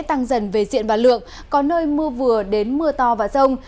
tăng dần về diện và lượng có nơi mưa vừa đến mưa to và rông